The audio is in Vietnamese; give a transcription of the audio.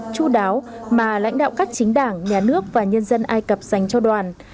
chú đáo mà lãnh đạo các chính đảng nhà nước và nhân dân ai cập dành cho đoàn